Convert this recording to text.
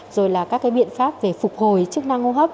rồi là các biện pháp về phục hồi chức năng ô hấp